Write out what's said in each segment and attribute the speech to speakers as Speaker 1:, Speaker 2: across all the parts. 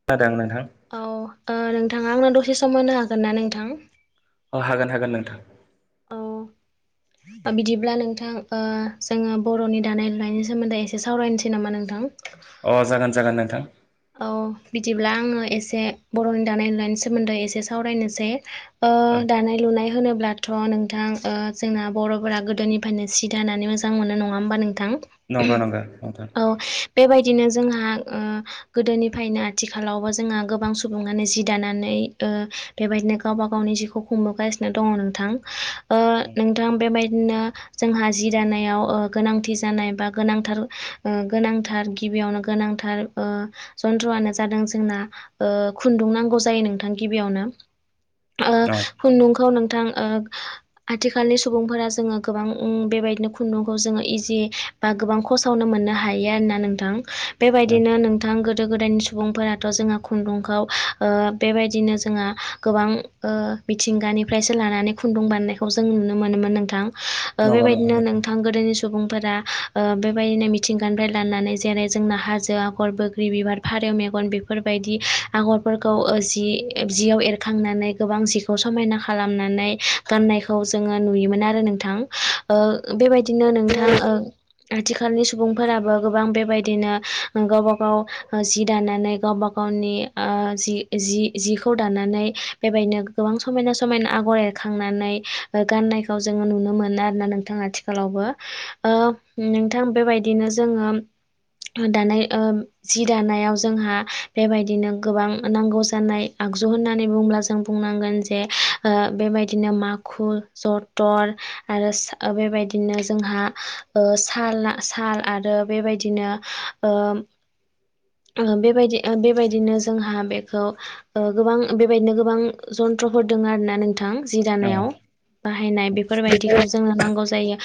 Speaker 1: [unintelligible] नोंथां
Speaker 2: औ ओ नोंथां आंनो दसे सम होनो हागोन ना नोंथां?
Speaker 1: अ हागोन हागोन नोंथां। [unintelligible]
Speaker 2: ओ बिदिब्ला नोंथां ओ जोङो बरनि दानाय लुनायनि सोमोन्दै एसे सावरायनोसै। सै नामा नोंथां?
Speaker 1: अ जागोन जागोन नोंथां।
Speaker 2: औ बिदिब्ला आङो एसे बरनि दानाय लुनायनि सोमोन्दै एसे सावरायनोसै। ओ
Speaker 1: औ
Speaker 2: दानाय लुनाय होनोब्लाथ नोंथां ओ जोंना बरफोरा गोदोनिफ्रायनो सि दानानै मोजां मोजां मोनो नङा होमबा नोंथां
Speaker 1: नंगौ नंगौ नोंथां
Speaker 2: औ बेबायदिनो जोंहा ओ गोदोनिफ्रायनो आथिखालावबो जोंहा गोबां सुबुङानो जि दानानै ओ बेबायदिनो गावबा गावनि जिउखौ खुंबोगासिनो दङ नोंथां ओ नोंथां बेबायदिनो जोंहा जि दानायाव ओ गोनांथि जानाय बा गोनांथार ओ गोनांथार गिबियावनो गोनांथार ओ जन्थ्रआनो जादों जोंना ओ खुन्दुं नांगौ जायो नोंथां गिबियावनो ओ
Speaker 1: औ
Speaker 2: खुन्दुंखौ नोंथां ओ आथिखालनि सुबुंफोरा जोङो गोबां ओं बेबायदिनो खुन्दुंखौ जोङो इजि बा गोबां खसावनो मोननो हायो आरोना नोंथां बेबायदिनो नों थां गोदो गोदायनि सुबुंफोराथ जोंहा खुन्दुंखौ ओ बेबायदिनो जोंहा गोबां ओ मिथिंगानिफ्रायसो लानानै खुन्दुं बानायनायखौ जों नुनो मोनोमोन नोंथां। ओ
Speaker 1: नंगौ नंगौ
Speaker 2: बेबायदिनो नोंथां गोदोनि सम सुबुंफोरा ओ बेबायदिनो मिथिंगानिफ्राय लानानै जेरै जोंना हाजो आगर बो ग्रि बिबार फारौ मेगन बेफोरबायदि आगरफोरखौ ओ जि जियाव एरखांनानै गोबां जि खौ समायना खालामनानै गाननायखौ जोंङो नुयोमोन आरो नोंथां ओ बेबाय दिनो नोंथां ओ आथिखालनि सुबुंफोराबो गोबां बेबायदिनो गावबा गाव ओ जि दानानै गावबा गावनि ओ जि जिखौ दानानै बेबायदिनो गोबां समायना समायना आगर एरखांनानै गाननायखौ जोङो नुनो मोनो आरोना नोंथाङा आथि खालावबो ओ नोंथां बेबायदिनो जोङो दानाय ओ जि दानायाव जोंहा बेबायदिनो गोबां नांगौ जानाय आगजु होननानै बुङोब्ला जों बुंनांगोन जे ओ बेबायदिनो माखु जथर आरो ओ बेबायदिनो जोंहा ओ साल साल आरो बेबायदिनो ओ ओ बेबायदि बेबायदिनो जोंहा बेखौ ओ गोबां बेबायदिनो गोबां जन्थ्रफोर दोङो आरोना नोंथां थां जि
Speaker 1: औ
Speaker 2: दानायाव बाहायनाय बेफोरबायदिखौ जोंनो नांगौ जायो।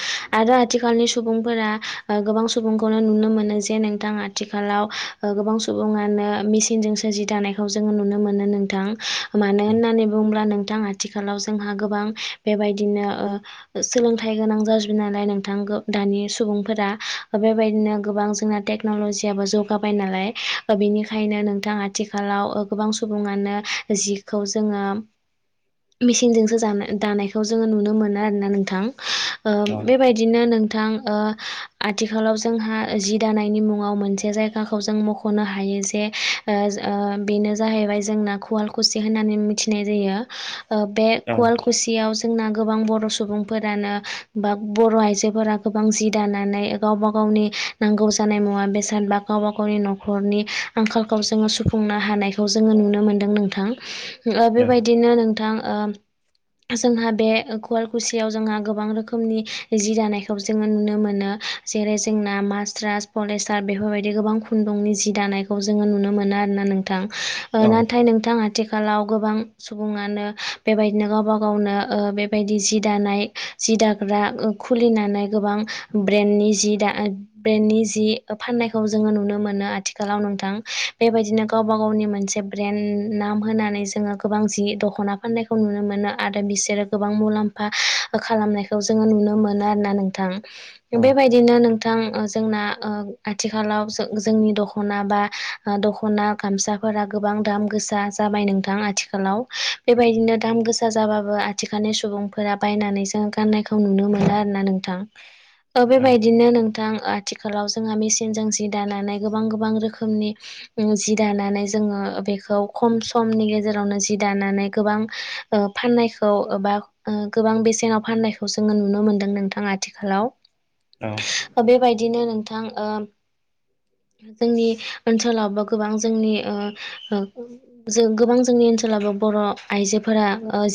Speaker 2: आरो आथिखालनि सुबुंफोरा ओ गोबां सुबुंखौनो नुनो मोनो जे नोंथां आथिखालाव ओ गोबां सुबुङानो मेसिनजों सो जि दानायखौ जोंङो नुनो मोनो नोंथां। मानो होननानै बुंब्ला नोंथां आथिखालाव जोंहा बेबायदिनो सोलोंथाइ गोनां जाजोबाय नालाय नोंथां दानि सुबुंफोरा बेबायदिनो गोबां जोंना टेक क्नलजियाबो जौ गाबाय नालाय बेनिखायनो नोंथां आथिखालाव गोबां सुबुङानो जि खौ जोङो मिेचनजोंसो जा दानायखौ जोङो नुनो मोनो आरोना नोंथां
Speaker 1: औ
Speaker 2: बेबायदि बिदिनो नोंथां ओ आथिखालाव जोंहा जि दानायनि मुङाव मोनसे जायगा खौ जों मख'नो हायो जे ओ ओ बेनो जाहैबाय जोंना खुवाल खुसि होननानै मोनथिनाय जायो। ओ बे खुवालखु खुसियाव जोंना गोबां बर' सुबुंफोरानो बा बर' आयजोफोरा गोबां जि दानानै गावबा गावनि नांगौ जानाय मुवा बेसाद बा गावबा गावनि न'खरनि आंखालखौ जोङो सुफुंनो हानायखौ जोङो नुनो मोनदों नोंथां ओ बेबायदिनो नोंथां ओ जोंहा बे कवालकुसियाव जोंहा गोबां रोखोमनि जि दानायखौ जोङो नुनो मोनो जेरै जोंना मासट्रास पलिस्टार बेफोरबायदि गोबां खुन्दुंनि जि दानायखौ जोङो नुनो मोनो आरोना नोंथां
Speaker 1: औ
Speaker 2: नाथाय नोंथाङा आथिखालाव गोबां सुबुङानो बेबायदिनो गावबा गावनो ओ बेबायदि जि दानाय जि दाग्रा खुलिनानै गोबां ब्रेननि जि दा ब्रेननि जि फाननाय खौ जोङो नुनो मोनो आथिखालाव नोंथां बेबायदिनो गावबा गावनि मोनसे ब्रेन्ड नाम होनानै जोङो गोबां जि दख'ना फाननायखौ नुनो मोनो आरो बिसोरो गोबां मुलाम्फा खालामनाय खौ जोङो नुनो मोनो आरोना नोंथां
Speaker 1: औ
Speaker 2: बेबायदिनो नोंथां जोंना ओ आथिखालाव जो जोंनि दख'ना बा दख'ना गामसाफोरा गोबां दाम गोसा जाबाय नोंथां आथिखालाव बेबायदिनो दाम गोसा जाबाबो आथिखालनि सुबुं फोरा बायनानै जों गाननायखौ नुनो मोनो आरो ना नोंथां बेबायदिनो नोंथां आथिखालाव जोंहा मेसिनजों जि दानानै गोबां गोबां रोखोमनि जि दानानै जोङो बेखौ खम समनि गेजेरावनो जि दानानै गोबां ओ फाननायखौ बा ओ गोबां बेसेनाव फाननायखौ जोङो नुनो मोनदों नोंथां आथिखालाव
Speaker 1: औ
Speaker 2: बेबायदिनो नोंथां ओ जोंनि ओनसोलावबो गोबां जोंनि ओ जों गोबां जोंनि ओनसोलावबो बर' आइजोफोरा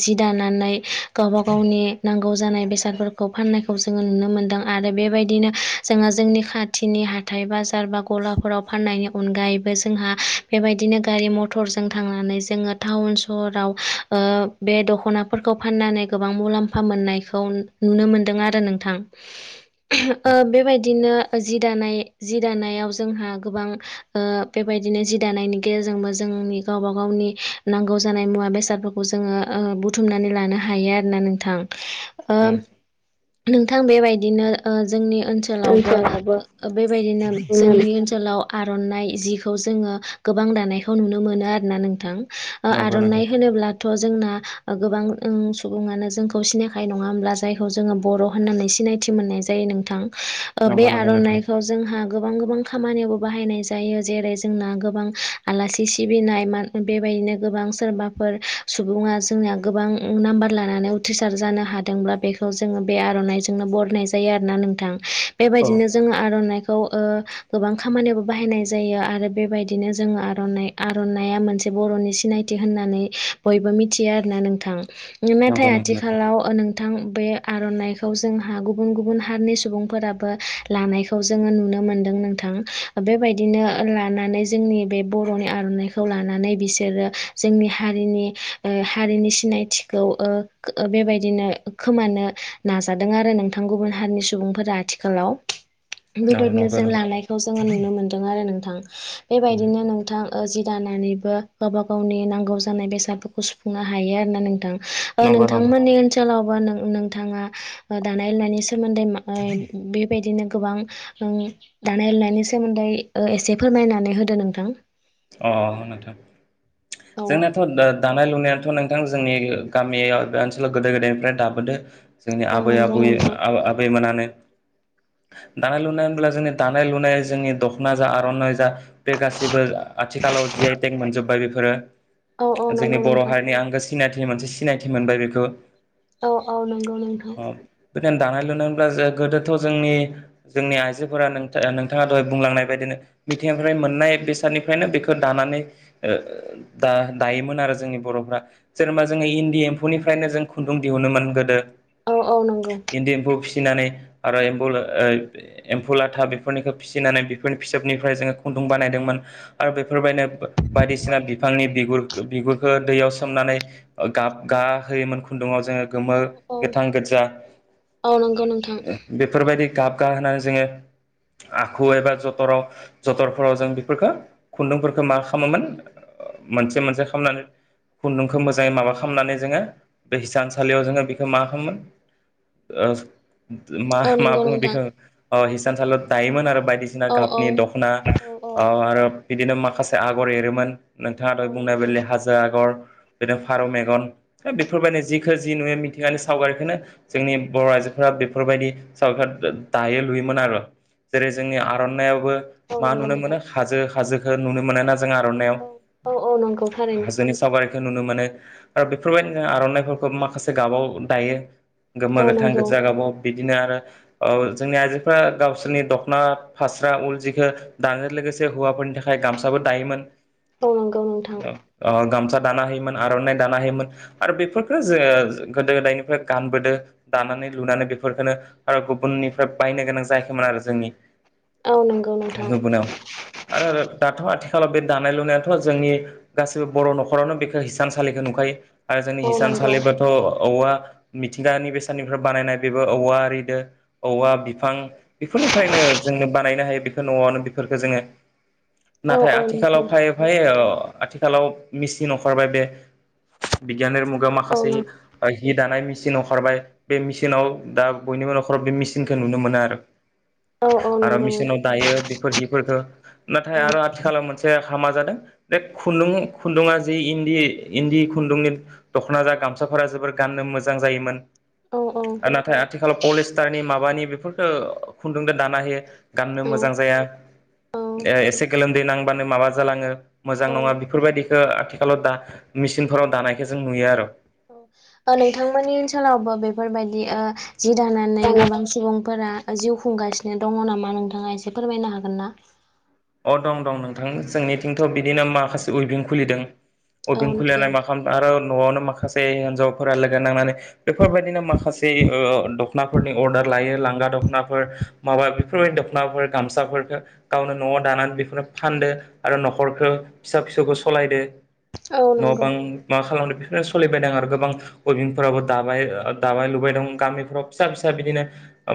Speaker 2: जि दानानै गावबा गावनि नांगौ जानाय बेसादफोरखौ फाननायखौ जोङो नुनो मोनदों आरो बेबायदिनो जोंङो जोंनि खाथिनि हा थाइ बाजार बा गलाफोराव फान्नायनि अनगायैबो जोंहा बेबायदिनो गारि मथ टरजों थांनानै जोङो टाउन सहराव ओ बे दख'नाफोरखौ फाननानै गोबां मुलाम फा मोननायखौ नुनो मोन्दों आरो नोंथां।
Speaker 1: [inaudible]
Speaker 2: ओ बेबायदिनो जि दानाय जि दानायाव जोंहा गोबां ओ बेबायदिनो जि दानायनि गेजेरजोंबो जोंनि गावबा गावनि नांगौ जानाय मुवा बेसादफोरखौ जोङो ओ बुथुमनानै लानो हायो आरोना नोंथां। ओ नोंथां बेबायदिनो ओ जोंनि ओनसोलावबो बेबायदिनो
Speaker 1: बिदिनो
Speaker 2: जोंनि ओनसोल खालाव आर'नाइ जिखौ जोङो गोबां दानायखौ नुनो मोनो आरो ना नोंथां। ओ
Speaker 1: नंगौ नोंथां
Speaker 2: आर'नाइ होनोब्ला थ' जोंना गोबां ओ सुबुङानो जोंखौ सिनायखायो नङा होमब्ला जायखौ जोङो बर' होननानै सिनाय थि मोननाय जायो नोंथां ओ बे
Speaker 1: नंगौ नंगौ नोंथां
Speaker 2: आर'नाइ जोंहा गोबां गोबां खामानियावबो बाहायनाय जायो जेरै जोंना गोबां आलासि सिबिनाय, मान बेबायदिनो गोबां सोरबाफोर सुबुङा जोंनिया गोबां नाम्बार लानानै उथ्रिसार जानो हादोंब्ला बेखौ जोङो बे आर'नाइजोंनो बरायनाय जायो आरोना नोंथां,
Speaker 1: औ
Speaker 2: बेबायदिनो जोङो आर'नाइखौ ओ गोबां खामानियावबो बाहायनाय जायो आरो बेबायदिनो जोङो आर'नाइ आर'नाइया मोनसे बर'नि सिनायथि होननानै बयबो मिथियो आरोना नोंथां।
Speaker 1: नंगौ
Speaker 2: नाथाय
Speaker 1: नंगौ नोंथां
Speaker 2: आथिखालाव नों थां बे आर'नाइखौ जोंहा गुबुन गुबुन हारिनि सुबुंफोराबो लानायखौ खौ जोङो नुनो मोन्दों नोंथां बेबायदिनो लानानै जोंनि बे बर'नि आर'नाइखौ खौ लानानै बिसोरो जोंनि हारिनि हारिनि ओ सिनायथिखौ ओ ओ बेबायदिनो खोमानो नाजादों आरो नोंथां गुबुन हारिनि सुबुंफोरा आथिखालाव
Speaker 1: औ
Speaker 2: बेबायदिनो
Speaker 1: नंगौ
Speaker 2: जों
Speaker 1: नंगौ नंगौ
Speaker 2: लानायखौ जोङो नुनो मोन्दों आरो नोंथां बेबायदिनो नोंथां ओ जि दानानैबो गावबा गावनि नांगौ जानाय बेसादफोरखौ सुफुंनो हायो आरो ना नोंथां। ओ
Speaker 1: नंगौ
Speaker 2: नोंथांमोननि ओनसोलावबो नोंथाङा दानाय लुनायनि सोमोन्दै मा बेबायदिनो गोबां ओ दानाय लुनायनि सोमोन्दै एसे ओ फोरमायनानै होदो नोंथां।
Speaker 1: अ नोंथां
Speaker 2: औ
Speaker 1: जोंनाथ' दा दानाय लुनायथ' नोंथां जोंनि गामियाव ओ ओनसोलाव गोदो गोदायनिफ्राय दाबोदो जोंनि
Speaker 2: औ
Speaker 1: आबै
Speaker 2: नंगौ
Speaker 1: आबुय
Speaker 2: नोंथां
Speaker 1: आबैमोनानो दानाय लुनाय होनोब्ला जोंनि दानाय लुनाय जोंनि दख'ना जा आर'नाइ जा बे गासिबो आथिखालाव जि आइ टेक मोनजोब्बाय बेफोरो
Speaker 2: औ औ
Speaker 1: जोंनि
Speaker 2: नंगौ
Speaker 1: बर'
Speaker 2: नोंथां
Speaker 1: हारिनि आंगो सि सिनायथि मोनसे सिनायथि मोनबाय बेखौ
Speaker 2: औ औ नंगौ नोंथां।
Speaker 1: बेदिनो दानाय लुनाय होनब्ला जो गोदोथ' जोंनि जोंनि आइजोफोरा नोंथा नोंथाङा दहाय बुंलांनाय बायदिनो मिथिंगानिफ्राय मोननाय बेसादनि फ्रायनो बेखो दानानै ओ दा दायोमोन आरो जोंनि बर'फ्रा। जेनेबा जोङो इन्दि एम्फौनिफ्रायनो जों खुन्दुं दिहुनोमोन गोदो
Speaker 2: औ औ नोंगौ।
Speaker 1: इन्दि एम्फौ फिसिनानै आरो एम्फौ ला ओ एम्फौ लाथा बेफोरनिखो फिनानै बेफोरनि फिसोबनिफ्राय जोङो खुन्दुं बानायदोंमोन। आरो बेफोरबायदिनो बायदिसिना बिफांनि बिगुर बिगुरखो दैयाव सोमनानै गाब गाहोयोमोन खुन्दुङाव जोङो गोमो
Speaker 2: औ
Speaker 1: गोथां गोजा
Speaker 2: औ नंगौ नोंथां
Speaker 1: बेफोरबायदि गाब गा होनानै जोङो आखु एबा जथराव जथरफोराव जों बेफोरखो खुन्दुंफोरखो मा खालामोमोन मोनसे मोनसे खालामनानै खुन्दुंखो मोजाङै माबा खालामनानै जोङो बे हिसानसालियाव जोङो बेखो मा खामोमोन ओ मा
Speaker 2: औ
Speaker 1: मा
Speaker 2: नंगौ
Speaker 1: बुङो
Speaker 2: नोंथां
Speaker 1: बेखौ हिसानसालियाव दायोमोन आरो बायदिसिना बायदिसिना
Speaker 2: औ औ
Speaker 1: गाबनि दख'ना
Speaker 2: औ औ
Speaker 1: अ आरो बिदिनो माखासे आगर एरोमोन। नोंथाङा
Speaker 2: औ
Speaker 1: दहाय बुंनाय
Speaker 2: नंगौ
Speaker 1: बायदियै हाजो आगर बिदिनो फारौ मेगन ओ बेफोरबायदिनो जिखौ जि नुयो मिथिंगानि सावगारिखौनो जोंनि बर' आइजोफोरा बेफोरबायदि सावगार दायो लुयोमोन आरो जेरै जोंनि आर'नायइावबो
Speaker 2: औ
Speaker 1: मा
Speaker 2: नंगौ
Speaker 1: नुनो
Speaker 2: नोंथां
Speaker 1: मोनो हाजो हाजोखौ नुनो मोनो ना ज आर'नायाव
Speaker 2: औ औ औ नंगौ थारैनो
Speaker 1: हाजोनि सावगारिखौ नुनो मोनो आरो बेफोरबायदिनो ज आर'नाइफोरखौ माखासे गाबाव दायो। गोम
Speaker 2: औ
Speaker 1: गोथां गो
Speaker 2: नंगौ
Speaker 1: जागाबाव बिदिनो आरो जोंनि गावसोरनि दख'ना फास्रा उल जिखौ दानायजों लोगोसे हौवाफोरनि थाखाय गामसाबो दायोमोन।
Speaker 2: औ नंगौ नोंथां।
Speaker 1: ओ गामसा दाना होयोमोन आर'नाइ दानो होयोमोन। आरो बेफोरखौ जोङो गोदो गोदायनिफ्राय गानबोदों। दानानै लुनानै बेफोरखौनो आरो गुबुननिफ्राय बायनो गोनां जायाखैमोन आरो जोंनि
Speaker 2: औ नंगौ नोंथां
Speaker 1: बुंनाव आरो दाथ' आथिखालाव बे दानाय लुनायाथ' गासैबो बर' न'खरावनो हिसानसालिखौ नुखायो। आरो जोंनि
Speaker 2: औ नंगौ
Speaker 1: हिसानसालिबोथ' औवा मिथिंगानि बेसादनिफ्राय बानायनाय बेबो औवा आरिदो औवा बिफां बेफोरनिफ्रायनो जोंनो बानायनो हायो बेखौ न'आवनो बेफोरफोरखौो जोङो।
Speaker 2: औ
Speaker 1: नाथाय
Speaker 2: औ
Speaker 1: आथिखालाव फाय फायै आथिखालाव मिेसिन ओखारबाय बे बिगियानारि मुगायाव
Speaker 2: औ
Speaker 1: माखासे
Speaker 2: नंगौ नोंथां
Speaker 1: हि दानाय मेचिन ओखारबाय। बे मेचिनाव दा बयनिबो न'खराव बे मेचिनखौ नुनो मोनो आरो
Speaker 2: औ औ
Speaker 1: आरो मिेशनाव दायो बेफोर हिफोरखौ नाथाय आरो आथिखालाव मोनसे हामा जादों बे खुन्दुं खुन्दुङा जि इन्दि इन्दि खुन्दुंनि दख'ना जा गामसाफोरा जोबोर गाननो मोजां जायोमोन।
Speaker 2: औ औ
Speaker 1: आथिखालाव माबानि बेफोरफोरखौ खुन्दुंजों दाना होायो। गाननो मोजां जाया एसे गोलोमदै नांबानो माबा जालाङो मोजां नङा।
Speaker 2: नोंथांमोननि
Speaker 1: बेफोरबायदिखौ आथिखालाव दा दानायखौ नुयो। आरो
Speaker 2: नोंथांमोननि ओनसोलावबो बेफोरबायदि जि दानानै
Speaker 1: औ
Speaker 2: गोबां सुबुं फोर जिउ खुंगासिनो दङ नामा नोंथाङा एसे फोरमायनो हागोन ना
Speaker 1: अ दं दं नोंथां जोंनिथिंथ' बिदिनो माखासे उइभिं खुलिदों
Speaker 2: औ
Speaker 1: उइभिं
Speaker 2: नंगौ
Speaker 1: खुलिनानै मा खालाम। आरो न'आवनो माखासे हिनजावफोरा लोगो नांनानै बेफोरबायदिनो माखासे दख'नाफोरनि अर्दार लायो लांगा दख'नाफोर माबा बेफोरबायदि दख'नाफोर गामसाफोरफोरखौ गावनो। न'आव दानानै बेखौनो फानदो आरो न'खरखौ फिसा फिसौखौ सालायदो।
Speaker 2: औ
Speaker 1: न'
Speaker 2: नंगौ
Speaker 1: बां मा खालामदों बेफोरनो सोलिबायदों आरो गोबां उइबिंफोरावबो दाबाय दाबाय लुबाय दं गामिफ्राव फिसा फिसा बिदिनो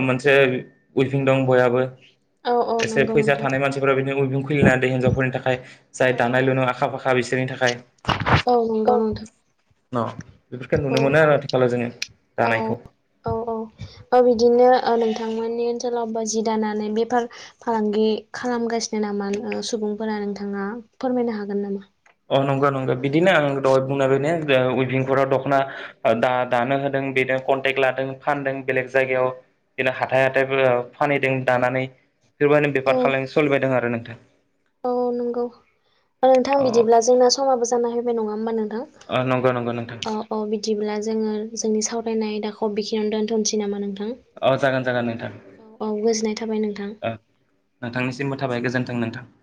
Speaker 1: मोनसे उइफिं दं बयाबो
Speaker 2: औ औ नंगौ नोंथां
Speaker 1: मानसिफोरा बिदिनो उयभुं खुलिनानै थाखाय जाय
Speaker 2: औ
Speaker 1: दानाय लुनो आखा फाखा बिसोरनि थाखाय
Speaker 2: औ नंगौ नोंथां
Speaker 1: न बेफोरखौ
Speaker 2: औ
Speaker 1: नुनो मोनो आरो आथिखालाव जोङो
Speaker 2: औ
Speaker 1: दानायखौ।
Speaker 2: औ बिदिनो नोंथांमोननि ओनसोलावबो बेफार फालांगि खालामगासिनो नामा सुबुंफोरा नोंथाङा फोरमायनो हागोन नामा
Speaker 1: अ नंगौ नंगौ बिदिनो आं दहाय बुंनायबायाय ने उइभंखराव दख'ना दा होदों बेदों कन्टेक्ट लादों फानदों जायगायाव बिदिनो हााइ हााइ फानहैदों दानानै बेफोरबायदिनो
Speaker 2: औ
Speaker 1: बेफार खालायनो सोलिबायदों आरो नोंथां
Speaker 2: औ नंगौ नोंथां बिदिब्ला
Speaker 1: अ
Speaker 2: जोंना समाबो जाना फैबाय नङा होमबा नोंथां
Speaker 1: नंगौ नंगौ नोंथां
Speaker 2: औ औ बिदिब्ला जोङो जोंनि सावरायनाय आयदाखौ बेखिनियावनो दोन्थ'नोसै नामा नोंथां?
Speaker 1: औ जागोन जागोन नोंथां
Speaker 2: औ औ गोजोननाय थाबाय नोंथां।
Speaker 1: ओ। नोंथांनिसिमबो थाबाय गोजोनथों नोंथां।